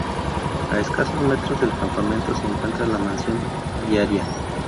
A escasos metros del campamento se encuentra la mansión- viaria.